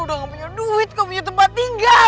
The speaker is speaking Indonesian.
udah gak punya duit gak punya tempat tinggal